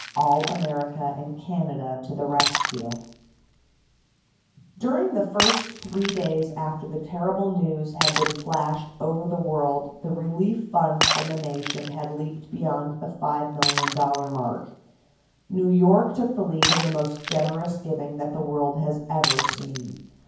All America and Canada to the Rescue During the first three days after the terrible news had been flashed over the world the relief fund from the nation had leaped beyond the $5,000,000 mark. New York took the lead in the most generous giving that the world has ever seen.